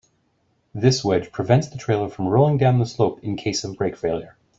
This wedge prevents the trailer from rolling down the slope in case of brake failure.